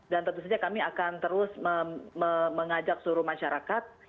dan tentu saja kami akan terus mengajak seluruh masyarakat